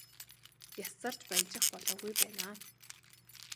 Яс зарж баяжих болоогүй байна аа.